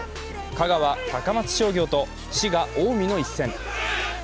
香川・高松商業と滋賀・近江の一戦。